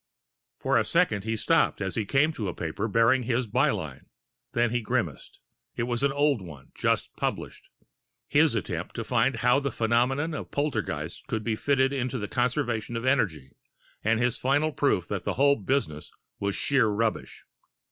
For a second, he stopped as he came to a paper bearing his by line. Then he grimaced it was an old one, just published his attempt to find how the phenomena of poltergeists could be fitted into the conservation of energy, and his final proof that the whole business was sheer rubbish.